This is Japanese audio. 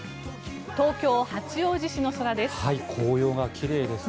東京・八王子市の空です。